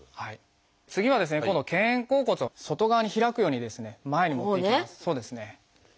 次はですね今度肩甲骨を外側に開くように前に持っていきます。